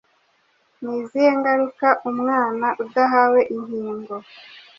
Ni izihe ngaruka umwana udahawe inkingo